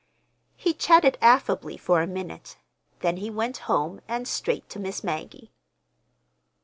He chatted affably for a minute. Then he went home and straight to Miss Maggie.